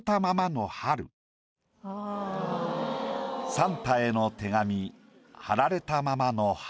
「サンタへの手紙貼られたままの春」。